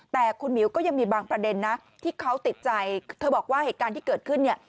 แต่คุณหมิวก็ยังมีบางประเด็นนะที่เขาติดใจเธอบอกว่าเหตุการณ์ที่เกิดขึ้นเนี่ย